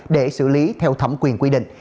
để xử lý theo thẩm quyền quy định